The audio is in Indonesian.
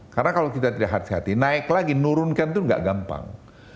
karena kalau kita tidak hati hati naik lagi nurunkan itu nggak gampang